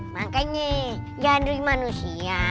makanya jangan jadi manusia